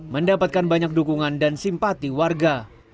mendapatkan banyak dukungan dan simpati warga